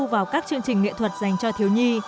vào các chương trình nghệ thuật dành cho thiếu nhi